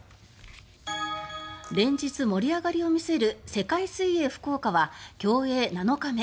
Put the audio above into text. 連日、盛り上がりを見せる世界水泳福岡は競泳７日目。